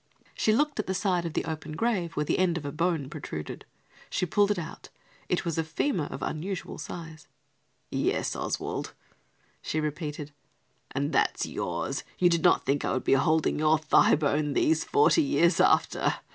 She looked at the side of the open grave, where the end of a bone protruded. She pulled it out. It was a femur of unusual size. "Yes, Oswald," she repeated, "and that's yours. You did not think I would be holding your thigh bone these forty years after!